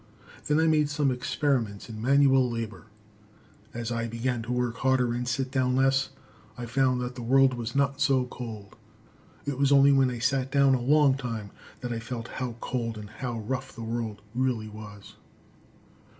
Then I made some experiments in manual labor. As I began to work harder and sit down less, I found that the world was not so cold. It was only when I sat down a long time that I felt how cold and rough the world really was.